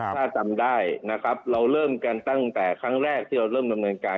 ถ้าจำได้นะครับเราเริ่มกันตั้งแต่ครั้งแรกที่เราเริ่มดำเนินการ